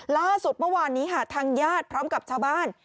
ล่าสุดเมื่อวานนี้ค่ะทางญาติพร้อมกับชาวบ้าน